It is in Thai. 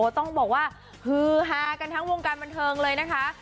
ต้องบอกว่าฮือฮากันทั้งวงการบันเทิงเลยนะคะ